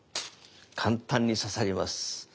簡単に刺さります。